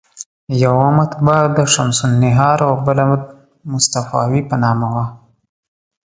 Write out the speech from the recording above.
یوه مطبعه د شمس النهار او بله مصطفاوي په نامه وه.